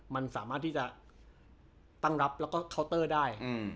มันสามารถที่จะตั้งรับแล้วก็เคาน์เตอร์ได้